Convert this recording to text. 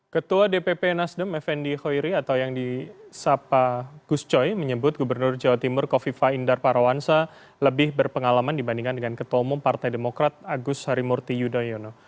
ketua dpp nasdem fnd hoiri atau yang disapa gus coy menyebut gubernur jawa timur kofifa indar parawansa lebih berpengalaman dibandingkan dengan ketua umum partai demokrat agus harimurti yudhoyono